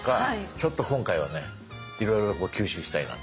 ちょっと今回はねいろいろこう吸収したいなと。